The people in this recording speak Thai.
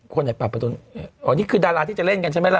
คนไหนปรับประตูอ๋อนี่คือดาราที่จะเล่นกันใช่ไหมล่ะ